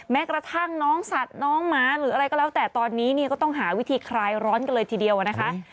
แม้กระทั่งน้องสัตว์น้องหมาหรืออะไรก็แล้วแต่ตอนนี้เนี่ยก็ต้องหาวิธีคลายร้อนกันเลยทีเดียวนะคะ